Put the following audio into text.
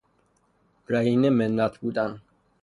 رهین منت بودن